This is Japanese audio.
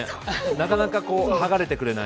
なかなかはがれてくれない。